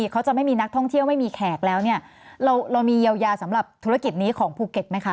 เขาจะไม่มีนักท่องเที่ยวไม่มีแขกแล้วเนี่ยเรามีเยียวยาสำหรับธุรกิจนี้ของภูเก็ตไหมคะ